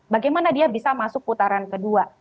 bagaimana dia bisa masuk putaran kedua